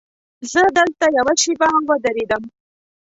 زه دلته یوه شېبه ودرېدم.